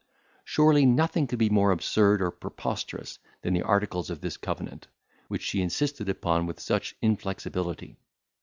Surely nothing could be more absurd or preposterous than the articles of this covenant, which she insisted upon with such inflexibility.